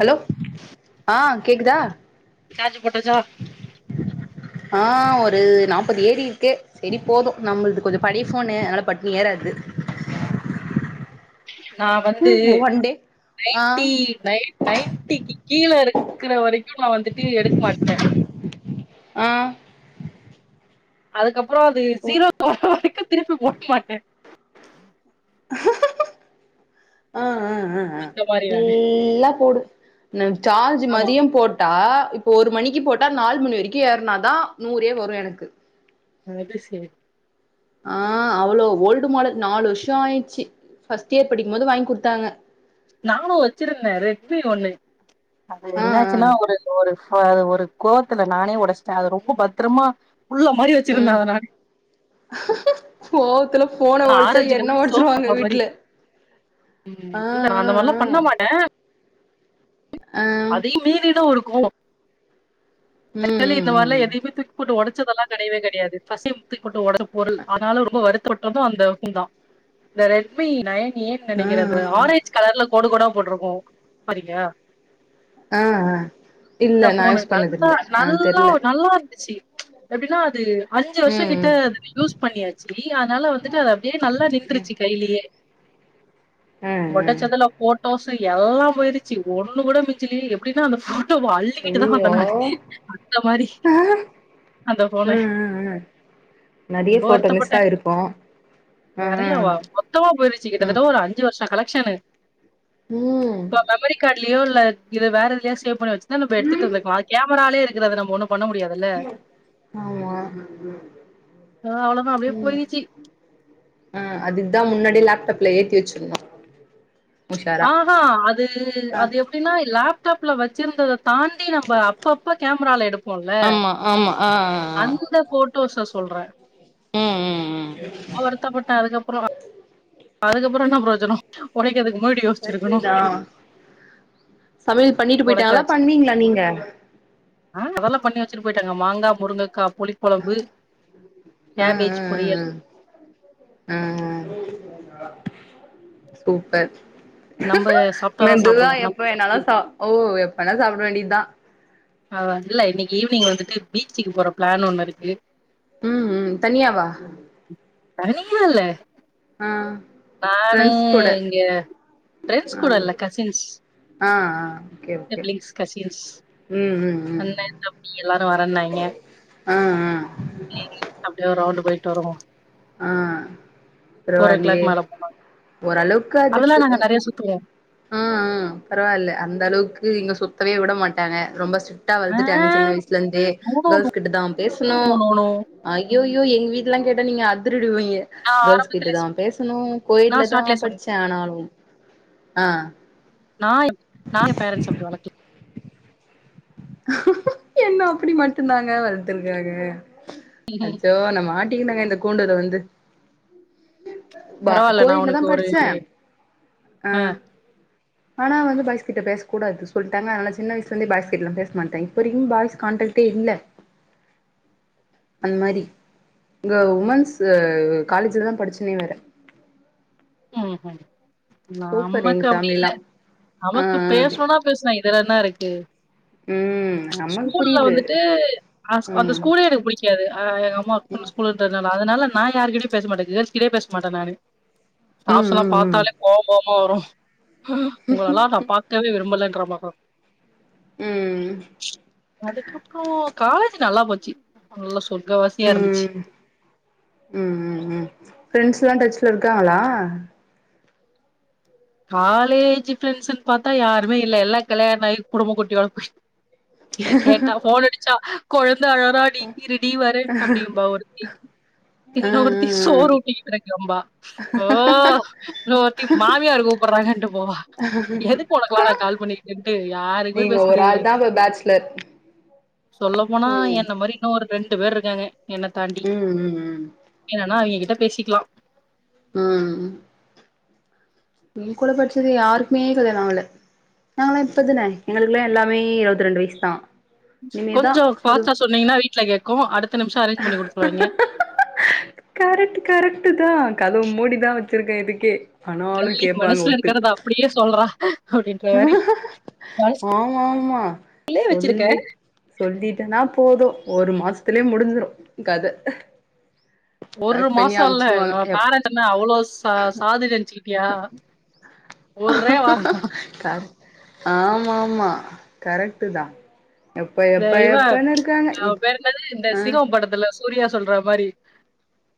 Hello ஆ கேக்குதா? Charge போட்டச்சோ ஆ ஒரு நாப்பது ஏறி இருக்கு செரி போது நம்மள்து கொஞ்சொ பழய ஃபோன்னு அதனால பட்டுனி ஏற கது நா வந்து ஆ நைன்டி நை நைன்டிக்கு கீழ இருக் க்கிற வரைக்கு நா வந்துட்டு எடுக்க மாட்டே ஆ அதுக்கப்பறோ அது ஓ ஜீரோ தொடுற வரைக்கு திருப்பி போட மாட்டே ஆ ஆ ஆ ஆ அந்த மாரி நானு ஃபுல்லா போடு ந சார்ஜ் ஆமா மதியம் போட்டா இப்போ ஒரு மணிக்கு போட்டா நாலு மணி வரைக்கு ஏறுனாதா நூறே வரு எனக்கு அது சரி ஆ அவ்ளோ ஓல்டு மாடல் நாலு வருஷோ ஆயிடுச்சு. ஃபஸ்ட் இயர் படிக்கம்போது வாங்கி குடுத்தாங்க. நானு வச்சிருந்த ரெட்மி ஒன்னு அது ஆ ஆ என்னாச்சுன்னா ஒரு ஒரு ஃப ஒ ரு கோவத்துல நானே ஒடச்சிட்டே அது ரொம்ப பத்திரமா புள்ள மாரி ம் வச்சிருந்த அத நான் கோவத்துல ஃபோன ஒடச்சா ஆரஞ்சு என்ன கலர் சோப் ஒடச்சிருவாங்க டப்பா மாரி வீட்ல ம் ஆ இல்ல நா ஆ அந்த மார்லா ஆ பண்ண மாட்டே ஆ அதையும் மீறின ஒரு கோவோ ம் ஆக்சுவலி இந்த மாரிலா ம் ம் எதையுமே தூக்கி போட்டு ஒடச் சதெல்லா கெடையவே கெடையாது பஸ் டைமு தூக்கி போட்டு ஒடச்ச பொருள் அதனால ரொம்ப வருத் தொற்றது அந்த [unintelligible] இந்த ரெட்மி நைன் ஏ னு ஆ நெனைக்கிற அது ஆ ஆரஞ்ச் கலர்ல கோடு கோடா போட்டுருக்கு பாரிங்க ஆ ஆ இல்ல இந்த நா ஃபோனு யூஸ் பண்ணது நல்லா இல்ல ஆ நல்லா தெர்ல நல்லா இருந்துச்சு. எப்டின்னா அது அஞ்சு ம் வருஷங்கிட்ட ம் அது யூஸ் பண்ணியாச்சு அதனால வந்துட்டு அது அப்படியே நல்லா ம் நின்றுச்சு கைலேயே ஆ ஆ ஒடச்சதுல ஃபோட்டோஸ் எல்லாம் போய்டுச்சு ஒன் னு கூட மிஞ்சலிய எப்படின்னா அந்த ஃபோட்டோவ அள்ளிக்கிட்டுதா ஐயயோ வந்தே நான் அந்த மாரி அந்த ஃபோன. ம் ம் ம் நறைய ஃபோட்டோ மிஸ்ஸாயிருக்கூ நெறையவா மொத்தமா போய்ருச்சு ம் கிட்டத்தட்ட ஒரு அஞ்சு வர்ஷ கலெக்ஷனு ம் இல்லையோ இல்ல இத வேற எதில்யா சேவ் பண்ணி வச் தா நம்ப எடுத்துட் இருந்திர்க்கோ அது கேமுராலே இருக்குற அத நம்மு ஒண்ணு பண்ண முடியாதுல்ல ஆமா அ அவ்வளோதான் அப்டியே ம் போயிருச்சு. அ அதுக்குதா முன்னாடி ப்ள ஏத்தி வச்சிர்ந்தான் ஆ ஹா அது அது எப்டினா லாப் டாப்ல வச்சிருந்தததாண்டி நம்ப அப்பப்ப கேமுரால எடுப் ஆமா ஆமா ஆ அ அ தோஷ்ல சொல்றேன் ம் அவ்வருத்தப்பட்ட அதுக்கப்புறோ நா அதுக்கப்புறோ என்ன புரோஜனோ ஒரை கர்ட்டுதா சமைல் பண்ணிட்டு போய்ட்டாங்களா உடைச்சாச்சு. பண்ணீங்ளா நீங்க ஆ அதெல்லா பண்ணி வச்சுட்டு போய்ட்டாங்க மாங்கா முருங்கக்கா புளிகொழம்பு ஆ ஆ கேபேஜ் ஆ பொரியல் ஆ ஹ சூப்பர் நம்ப சாப்ட்டா தான் மெதுவா சாப்டுவோம். எப்ப நமக்கு என்னால வந்து சா ஓ எப்பனா சாப்ட வேண்டிதா ஆ அதுல்ல இன்னைக்கு ஈவினி்ங் வந்துட்டு பீச்சுக்கு போற ப்ளான் ஒண்ணு இருக்கு ம் ம் தனியாவா தனியா இல்ல ஆ நானு ஃப்ரெண்ட்ஸ் கூட இங்க ஃபிரண்ட்ஸ் ஆ கூட இல்ல கசின்ஸ் ஆ ஆ ஓகே ஓகே சிப்ளிங்ஸ் கசின்ஸ் ம் ம் ம் அண்ண தம்பி எல்லாரு வரன்னாய்ங்க ஆ ஆ அப்டியே ஒரு ரவுண்டு போய்ட்டு வருவோ ஆ பரவா ஃபோர் ஓ இல்லியே கிளாக் மேல போனா ஓரளவுக்கு அதெல்லா அதுக்கு நாங்க அ நெறைய சுத்துவோ அ ஆ பரவா இல்ல அந்த அளவுக்கு இங்க சுத்தவே விட மாட்டாங்க ரொம்ப ஸ்ரி ட்டா ஆ வள்த்துட்டாங்க சின்ன வய்ஸ்ல இருந்தே நோ நோ கேள்ஸ் கிட்ட தான் பேசுனு நோ நோ நோ ஐயோய் யோ எங்க வீட்டுலா கேட்டா நீங்க அதுரு டுவீங்க நா கேள்ஸ் கிட்ட ஆரம்பத்துல தான் பேசுணு நா கோயட்ல ஸ்டார்ட்ல தான் சொன்னே படிச்சேன் ஆனாலு ஆ நாலு நா என் பேரண்ட்ஸ் அப்டி வளக்ல என்ன அப்டி மட்டுந்தாங்க வள்த்துருக்காங்க அச்சோ நா மாட்டிகினங்க இந்த கூண்டுல வந்து வா பரவால்ல நா கோயிட்லதா உனக்கு ஒரு படிச்சேன் ஆ ஆனா வந்து பாய்ஸ் கிட்ட பேஸ் கூடாது சொல்டாங்க அதனால சின்ன வய்ஸ்ல இருந்தே பாய்ஸ்கிட்டலா பேசு மாட்டே இப்பரைக்கு பாய்ஸ் கான்டே ட்டே இல்ல அந்த மாரி இங்க உமன்ஸு காலேஜ்லதா படிச்சே நீ வேற ம் ஹு சூப்பர் எங்க நம்மக்கு அப்டி இல்ல ஃபேமிலிலா ஆ நமக்கு பேஸ்ணுனா பேஸ்லா இதுல என்ன இருக்கு ம் நமக்கு ஸ்கூல்ல புரியுது வந்துட்டு ஆஸ்க் அந்த ம் ஸ்கூலே எனக்கு புடிக்காது ஆ எங்க அம்மா ஓர்க் பண்ண ஸ்கூலுன்றதுனால அதனால நான் யாருகிட்டியு பேசு மாட்டேன் கேர்ள்ஸ் கிட்டியே பேஸ் மாட்ட நானு ம் ஸ்டாப்ஸ்லா ம் பாத்தாலே கோம் கோவ்மா வரு உங்களலா நான் பாக்கவே விரும்பலன்ற இல்ல ம் அப்ப அதுக்கப்றோ காலேஜ் நல்லா போச்சு நல்லா சொல் ம் ம் ம் ம் ஃபிரண்ட்ஸ்லா டச் சுல இருக்காங்களா காலேஜு ஃபிரெண்ட்ஸின் பாத்தா யாருமே இல்ல எல்லா கல்யாணாயி குடுமோ குட்டியோட போய் கேட்டா ஃபோன் அடிச்சா கொழ இந்தா ழராடி இருடி வர்ற அப்டிம்பா ஒருத்தி தி ம் இன்னொருத்தி ம் ம் சோறு ஊட்டிக்கிட்ருக்கம்பா ஓ இன்னொருத்தி மாமியாரு கூப் போவா எதுக்கு ஒனக்குல்லா நா கால் பண்ணிக்கிட்டுன்ட்டு யாருக்மே நீங்க பேசுறது ஒரு கெடையா ஆள் தா இப்ப பேச்சுலர் சொல்லப் போனா ம் என்ன மாரி இன்னொ ஒரு ரெண்டு பேர் இருக்காங்க என்னத் தாண்டி ம் ம் என்னன்னா அவிங்கக் கிட்ட பேசிக்லா ம் ஏங்க்கூட படிச்சது யாருக்மே கல்யாணொ ஆவ்ல நாங்கள்லா இப்பொ தான எங்களுக்குல்லா எல்லாமே இருவத்ரெண்டு வைஸ்தா கொஞ்சோ ஃபாஸ்ட்டா சொன்னீங்னா வீட்ல கேக்கு அடுத்த நிமிஷோ அரேஞ்ச் பண்ணி குடுத்ருவாய்ங்க கரெக்ட்டு கரெக்ட்டுதா கதவு மூடிதா வச்சிருக்க இதுக்கே ஆனாலு தள்ளி கேப்பாங்க மனசுல ஒட்டு இருக்கறத அப்டியே சொல்றா அப்டின்ற மாரி மனசுக்குள்ளே ஆமா ஆமா வச்சிருக்க சொல்லி சொல்லிட்டனா போது ஒரு மாசத்துலே முடிஞ்சிரு கத ஒரு பேக் பண்ணி மாசொ இல்ல அமுச்சிருவாங்க நம்ம எப் பேரண்ட் என்ன அவ்ளோ ச சாதுன் நெனச்சிக்கிட்டியா ஒர்றே வாரந்தா கர ஆமா ஆமா கரெக்ட்டு தா எப்ப இந்த எப்ப இவ எப்பன்னு இருக்காங்க அவ இப் பேரு என்னாது இந்த ஆஹ் சிங்கோ படத்துல சொ சூர்யா சொல்றா மாரி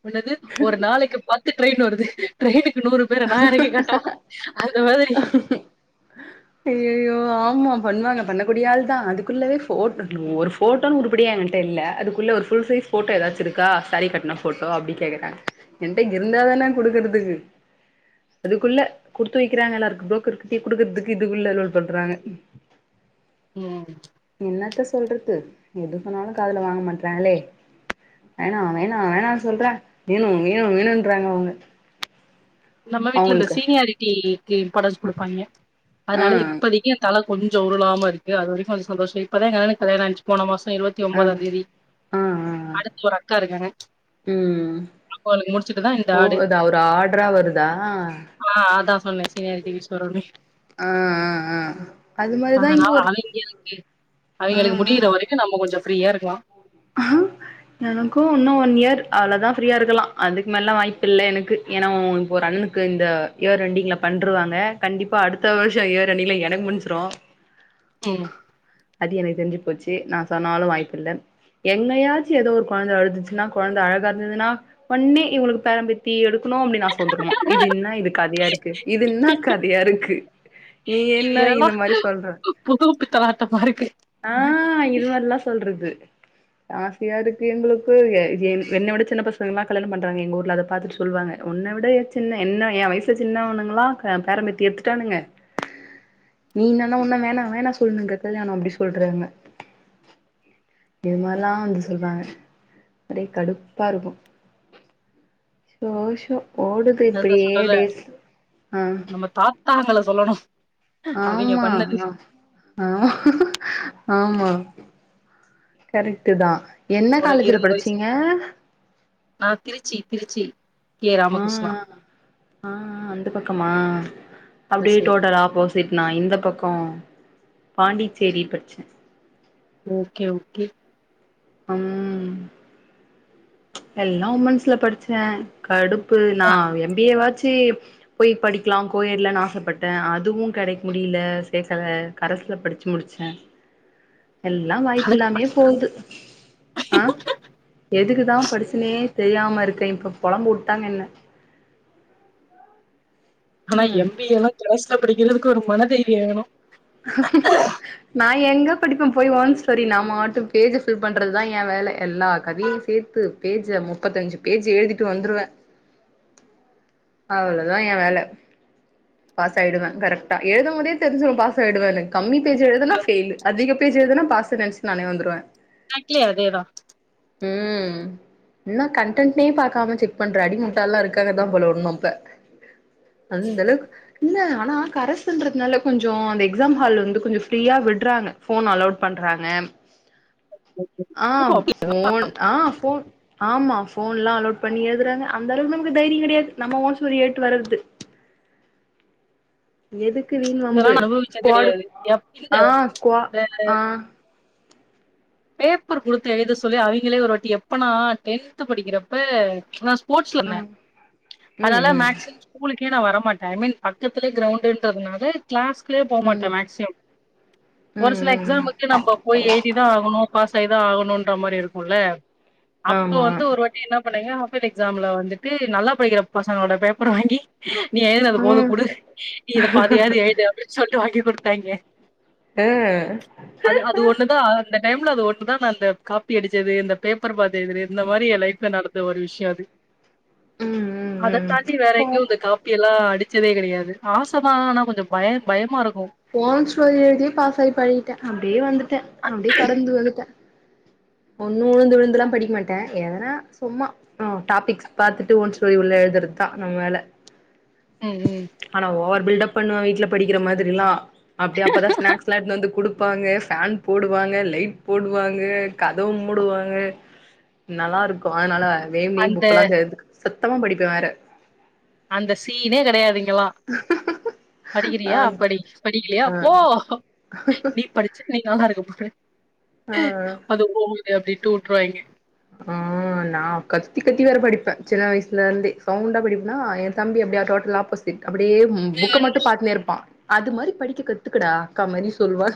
என்னது ஒரு நாளக்கி பத்து ட்ரயின் வருது ட்ரய்னுக் கு நூறு பேர நா எறக்கி காட்டவா அந்த மாதிரி ஐயையோ ஆமா பண்ணுவாங்க பண்ணக்கூடிய ஆள்தா அதுக்குள்ளவே ஃபோட் ஒரு ஃபோட்டோன் உருப்புடியா எ என்ட்ட இல்ல அதுக்குள்ள ஒரு ஃபுல் சைஸ் ஃபோட்டோ ஏதாச்சி இருக்கா சாரி கட்ண ஃபோட்டோ அப்டி கேக்கறாங்க என்ட்ட இருந்த தா தான குடுக்கற்துக்கு அதுக்குள்ள குடுத்து வெய்க்கிறாங்க எல்லாருக்கு ப்ரோக்கர்கிட்டயே குடுக்கற்துக் இதுக்குள்ள லோள் பட்றாங்க ம் சொல்றது எது சொன்னாலு காதுல வாங்க மாட்றாங்களே வேணா வேணா வேணா சொல்ற வேணு வேணு வேணுன்றாங்க அவுங்க நம்ம வீட்ல இந்த சீனியாரிட்டீக்கு இம்பார்டன்ஸ் குடுப்பாய்ங்கெ ஆ அத்னால இப்பதிக்கி ஏ த கொஞ்சொ உருளாம இருக்கு அது வரைக்கு கொஞ்ச சந்தோஷொ இப்பதா எங்க அண்ணனுக்கு கல்யாணானுச்சு போன மாஸ் சொ இருவத்தி ஆ ஒம்பதாந் தேதி ஆ ஆ அடுத்து ஒரு அக்கா இருக்காங்க ம் அக்காளுக்கு முடிச்சிட்டுதா இந்த ஆடு ட்ரா வருதா சொன்ன சீனியாரிட்டி வைஸ் வருன்னு ஆ ஆ ஆ அது மாரிதா இங்க அதனால ஒரு அவிங்களுக்கு ஆ அவிங்களுக்கு முடியிற வரைக்கு நம்ம கொஞ்சொ ஃப்ரீயா இருக்லா அஹ எனக்கு இன்னு ஒன் இயர் அவ்ளதா ஃப்ரீயா இருக்கலா அதுக்கு மேல்லா வாய்ப்பில்லே எனக்கு ஏன்னா இப்போ ஒரு அண் ணனுக்கு இந்த இயர் எண்டிங்ள பண்ருவாங்க கண்டிப்பா அடுத்த வர்ஷோ இயர் எண்டிங்ள எனக்கு முஞ்சுரு ம் அது எனக்கு தெரிஞ்சி போச்சி நா சொன்னாலு வாய்ப்பில்ல எங்னயாச்சி ஏதோ ஒரு கொழந்த அழுதுச்சுன்னா கொழந்த அழகா இருந்துதுன்னா ஒன்னே இவுங்களுக்கு பேரம் பேத்தி எடுக் குனு அப்டினு ஆச வந்துருமா இது இன்னா இது கதையாருக்கு இது இன்னா கதையாருக்கு நீ இது என்னா எல்லா இந்த மாரி சொல்ற புது பித்தலாட்டமா இருக்கு ஆ இது மாரில்லா சொல்றது ஆசையா இருக்கு எங்களுக்கு எ என் என்ன விட சின்ன பசங்கல்லா கல்யாணம் பண்றாங்க எங்க ஊர்ல அத பாத்துட்டு சொல்வாங்க ஒன் ன விட எ சின்ன என்ன எ வயசு சின்னவனுங்களா க பேரம்பேத்தி எட்த்துட்டானுங்க நீ இன்னான்னா உன்னு வேணா வேணா சொல்னுக்க கல்யாணொ அப்டி சொல்றாங்க இது மாரிலா வந்து சொல்றாங்க ஒரே கடுப்பா இருக்கு ஷோ ஷோ ஓடுது அதா இப்புடியே சொல்றேல்ல டேஸ் அ தாங்கள சொல்லணு அவிங்க ஆமா பண்ணது அ ஆ ஆமா கரெக்ட்டுதா என்ன ஒனக்கு காலேஜ்ல இருவது வயசு படிச்சீங்க நா திருச்சி திருச்சி கே ஆ ராமகிருஷ்ணா ஆ அந்த பக்கமா அந்த அப்டியே சைடு டோட்டலா ஆப்போ சிட் நா இந்த பக்கோ பாண்டிச்சேரி படிச்சே ஓகே ஓகே ம் எல்லா உமன்ஸ்ல படிச்சே கடுப் நா ஆ எம் பி ஏ வாச்சு சேரி பொய் படிக்லா கோயேட்ல ஆசப்பட்டே அதுவு கெடைக் முடியல சேக்கல கரஸ் ல படிச்சி முடிச்சே எல்லா வாய்ப்பு அதுக்கு இல்லாமயே படி போகுது ஆ எதுக்கு ஏந்தா படிச்சனே தெரியாம இருக்கே இப்ப பொழம்ப வுட்டாங்க என்ன ஆனா ம் எம் பி ஏல்லா கரஸ்ல படிக்கிறதுக்கு ஒரு மனதைரியோ வேணு நா எங்க படிப்பே போய் ஓன் ஸ்டோரி நாம வாட்ட பேஜ பில் பண்றதுதா ஏ வே ல எல்லா கதயையு சேத்து பேஜ முப்பத் அஞ்சி பேஜ் எழுதீட்டு வந்துருவே அவ்ளதா ஏ வேல பாஸ் ஆய்டுவே கரெக்டா எழுதும்போதே தெரிஞ்சுரு பாஸ் ஆய்டுவேன்னு கம்மி பேஜ் எழுதுனா பெயில் அதிக பேஜ் எழுதுனா பாஸ்ன்னு நெனச்சி நானே வந்துருவே காக்கியே அதேதா ம் என்ன கன்டென்ட்னே பாக்காம செக் பண்ற அடிமுட்டாள்லா இருக்காங்க தா போல இன்னும் பக் அந்த அளவுக்கு இல்ல ஆனா கரஸ்ன்றதுனால கொஞ்சோ அந்த எக்ஸாம் ஹால் வந்து கொஞ்சோ ஃப்ரீயா விட்றாங்க ஃபோன் அலோட் பண்றாங்க ஆ ஃபோன் ஆ ஃபோன் ஆமா ஃபோன்ல்லா அலோட் பண்ணி எழுதுறாங்க அந்தளவுக்கு நமக்கு தைரியோ கெடையாது நம்ம ஓன் ஸ்டோரி எழுட்டு வர்றது எதுக் கு வீண் இதெல்லா வம்பு நா அனுபவிச்சது ஸ்குவாடு கெடையாது எப் இந்த ஆ ஸ்குவா இந்த ஆ பேப்பர் குடுத்து எழுத சொல்லி அவிங்களே ஒரு வாட்டி எப்பனா டென்த் படிக்கிறப்ப நா ஸ்போர்ட்ஸ்ல இருந்தே ம் அதனால ம் ம் மேக்சிமம் ஸ்கூலுக் கே நா வரமாட்டே ஐ மீன் பக்கத்துலயே கிரவுண்டுன்றதுனால கிளாஸ் உள்ளயே போ ம் மாட்டே ம் மேக்சிமம் ஒரு ம் சில ம் எக்ஸாம்க்கு நம்ப போய் எழுதி தா ஆகணு பாஸ் ஆய்தா ஆகணுன்ற மாரி இருக்குல்ல அப்ப ஆமா வந்து ஒரு வாட்டி என்ன பண்ணேங்க ஆனுவல் எக்ஸாம்ல வந்துட்டு நல்லா படிக்கிற பசங்களோட பேப்பர வாங்கி நீ எழுதுனது போது ம் குடு நீ இத பாதியாது எழுது அப்டின்னு சொல்ட்டு வாங்கி கொடுத்தாங்க ஆ அது அது ஒண்ணுதா அந்த டைம்ல அது ஒன்னு தா நா இந்த காப்பி அடிச்சது இந்த பேப்பர பாத்து எழுதனது இந்த மாரி என் லைஃப்ல நடந் த ஒரு விஷயோ அது ம் ம் அத ம் தாண்டி வேற போ எங்கயு இந்த காப்பி எல்லா அடி ச்சதே கெடையாது ஆசதா ஆனா கொஞ்சோ பய பயமா இருக்கு ஓன் ஸ்டோரி எழுதியே பாஸ் ஆயி பழகிட்டே அப்டியே வந்துட்டே அப்டியே கடந்து வந்துட்டே ஒன்னு உழுந்து விழுந்துல்லா படிக்க மாட்டே எதன்னா சும்மா ஆ டாபிக்ஸ் பாத்துட்டு ஓன் ஸ்டோரி உள்ள எழு துறதுதா நம்ம வேல ம் ம் ஆனா ஓவர் பில்டப் பண்ணுவே வீட்ல படிக்கிற மாதிரில்லா அப்டியே அப்பதா ஸ்நாக்ஸ்ல்லா எடுத்துன்னு வந்து குடுப் பாங்க ஃபேன் போடுவாங்க லைட் போடுவாங்க கதவு மூடுவாங்க நல்லா இருக்கு அதனால வேணுன்னே அந்த புக்கல்லா தெறந்து சத்தமா படிப்பே வேற அந்த சீனே கெடையாது இங் கெல்லா ஆ படிக்கிறியா படி படிக்கலியா ஆ போ நீ படிச்சா நீ நல்லா இருக்க போற ஆ அது போகுது அப்டின்ட்டு வுட்டுருவாங்க ஆ நா கத்தி கத்தி வேற படிப்பே சின்ன வயசுலருந்தே சவுண்டா படிப்பேனா ஏ தம்பி அப்டியா டோட்டல் ஆப்போசிட் அப்படியே புக்க மட்டு பாத்துனே இருப்பா அது மாரி படிக்க கத்துக்கடா அக்கா மாரி சொல்வ